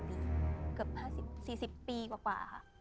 เกือบ๕๐๔๐ปีกว่าค่ะ